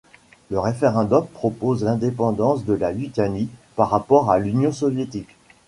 Le référendum propose l'indépendance de la Lituanie par rapport à l'Union soviétique.